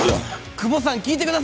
窪さん聞いてください！